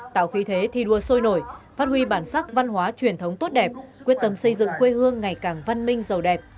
tạo khí thế thi đua sôi nổi phát huy bản sắc văn hóa truyền thống tốt đẹp quyết tâm xây dựng quê hương ngày càng văn minh giàu đẹp